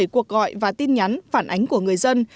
sáu mươi bảy cuộc gọi và tin nhắn phản ánh của người dân